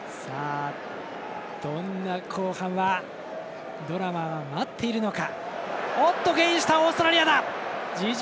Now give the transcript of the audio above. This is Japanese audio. どんな後半はドラマが待っているのか。